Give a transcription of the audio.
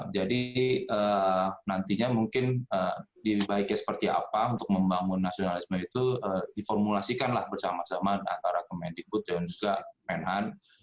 jadi nantinya mungkin lebih baiknya seperti apa untuk membangun nasionalisme itu diformulasikanlah bersama sama antara kementerian pertahanan dan juga kementerian pertahanan